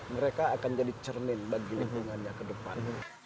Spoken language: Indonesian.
mereka akan jadi cermin bagi lingkungannya ke depan